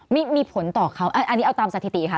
มีผลต่อเขาอันนี้ตามสถิติค่ะ